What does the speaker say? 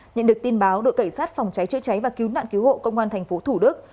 nhận được tin báo đội cảnh sát phòng cháy chữa cháy và cứu nạn cứu hộ công an thành phố thủ đức